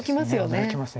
驚きます。